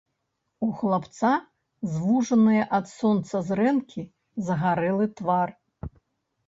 У хлапца звужаныя ад сонца зрэнкі, загарэлы твар.